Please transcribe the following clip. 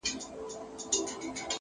هره ناکامي د نوې هڅې پیل دی.!